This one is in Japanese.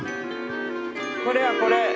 これやこれ！